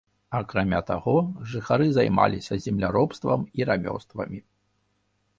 Акрамя таго, жыхары займаліся земляробствам і рамёствамі.